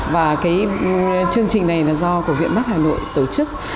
và cái chương trình này là do của viện mắt hà nội tổ chức